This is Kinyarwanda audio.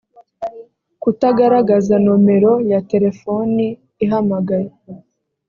kutagaragaza nomero ya telefoni ihamagaye